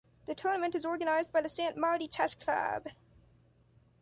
The tournament is organized by the Sant Martí Chess Club.